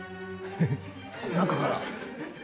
中から？